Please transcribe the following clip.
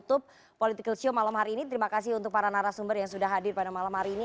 dan untuk political show malam hari ini terima kasih untuk para narasumber yang sudah hadir pada malam hari ini